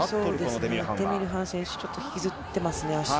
デミルハン選手ちょっと足を引きずっていますね。